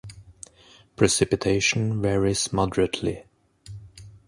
Precipitation varies moderately.